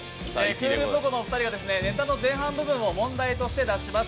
クールポコのお二人はネタの前半部分を問題として出します